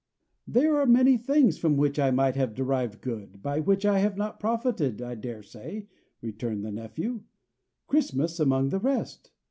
"There are many things from which I might have derived good, by which I have not profited, I dare say," returned the nephew, "Christmas among the rest.